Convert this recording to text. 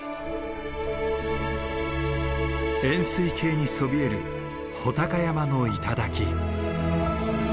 円すい形にそびえる武尊山の頂。